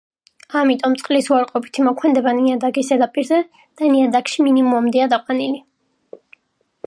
ამიტომ წყლის უარყოფითი მოქმედება ნიადაგის ზედაპირზე და ნიადაგში მინიმუმამდეა დაყვანილი.